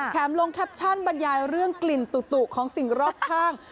ลงแคปชั่นบรรยายเรื่องกลิ่นตุของสิ่งรอบข้าง